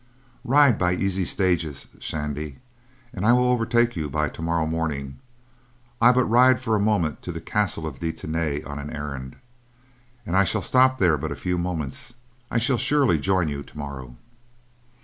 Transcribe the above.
"Ride by easy stages, Shandy, and I will overtake you by tomorrow morning. I but ride for a moment to the castle of De Tany on an errand, and, as I shall stop there but a few moments, I shall surely join you tomorrow."